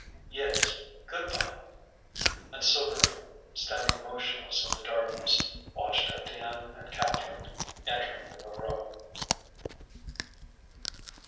"Yes, good bye." And Souvarine, standing motionless in the darkness, watched Étienne and Catherine entering the Voreux.